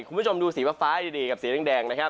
คุณผู้ชมดูสีฟ้าดีกับสีแดง